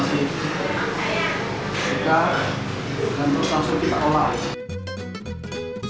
dan total setiap orang